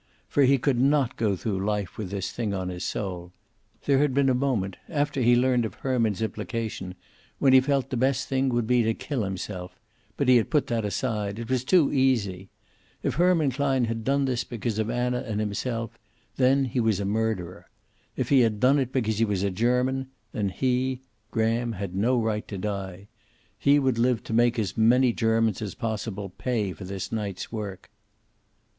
For he could not go through life with this thing on his soul. There had been a moment, after he learned of Herman's implication, when he felt the best thing would be to kill himself, but he had put that aside. It was too easy. If Herman Klein had done this thing because of Anna and himself, then he was a murderer. If he had done it because he was a German, then he Graham had no right to die. He would live to make as many Germans as possible pay for this night's work.